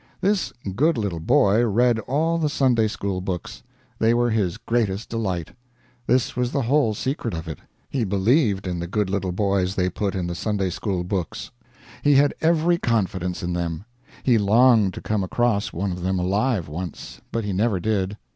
This good little boy read all the Sunday school books; they were his greatest delight. This was the whole secret of it. He believed in the good little boys they put in the Sunday school book; he had every confidence in them. He longed to come across one of them alive once; but he never did.